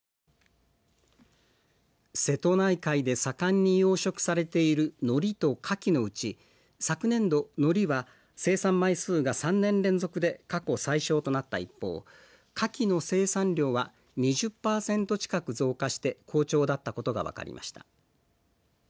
瀬戸内海で盛んに養殖されているノリとカキのうち昨年度、ノリは生産枚数が３年連続で過去最少となった一方、カキの生産量は２０％近く増加して好調だったことが分かりました。